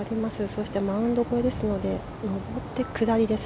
そしてマウンド越えですので上って下りです。